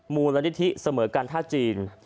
มูลนิธิเสมอกันท่าจีน